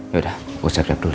yaudah aku siap siap dulu ya